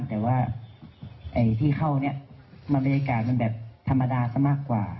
แต่ว่าที่เข้าเนี่ยบรรยากาศมันแบบธรรมดาซะมากกว่า